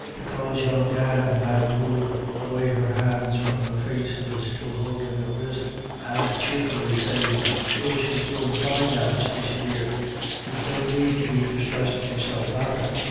Because young Dan, who had pulled away her hands from her face, was still holding her wrist and cheerfully saying: "Sure she's doin' finely now, Stacey dear ; youVe no need to be disthressin' yourself about her.